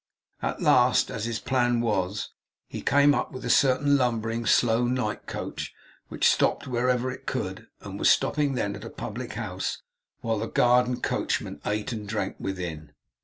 At last, as his plan was, he came up with a certain lumbering, slow, night coach, which stopped wherever it could, and was stopping then at a public house, while the guard and coachman ate and drank within.